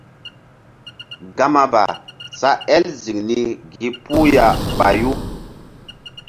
Gama ba sa el ziŋ ni gi puh ya ɓayu.